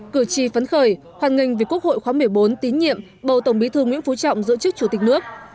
cử tri phấn khởi hoàn nghênh vì quốc hội khoáng một mươi bốn tín nhiệm bầu tổng bí thư nguyễn phú trọng giữa chức chủ tịch nước